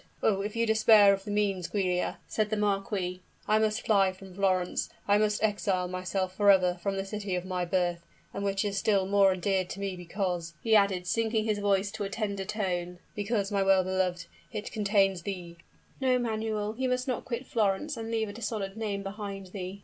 "Oh! if you despair of the means, Giulia," said the marquis, "I must fly from Florence I must exile myself forever from the city of my birth, and which is still more endeared to me because," he added, sinking his voice to a tender tone, "because, my well beloved, it contains thee!" "No, Manuel you must not quit Florence and leave a dishonored name behind thee!"